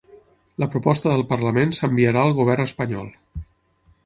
La proposta del Parlament s'enviarà al govern espanyol